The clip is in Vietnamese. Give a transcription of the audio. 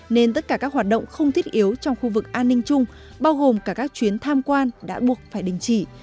nên tất cả các hoạt động không thiết yếu trong khu vực an ninh chung bao gồm cả các chuyến tham quan đã buộc phải đình chỉ